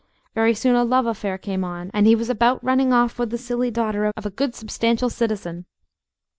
Very soon a love affair came on, and he was about running off with the silly daughter of a good substantial citizen.